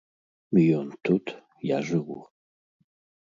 Ён тут, я жыву.